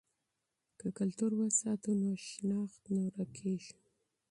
که کلتور وساتو نو هویت نه ورکيږي.